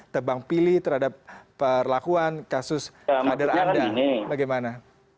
terbang pilih terhadap perlakuan kasus kehadir anda bagaimana